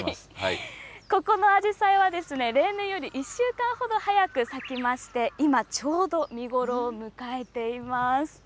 ここのアジサイは例年より１週間ほど早く咲きまして、今、ちょうど見頃を迎えています。